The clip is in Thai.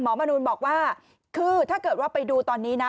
มนูลบอกว่าคือถ้าเกิดว่าไปดูตอนนี้นะ